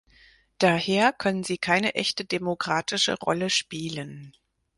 Daher können sie keine echte demokratische Rolle spielen.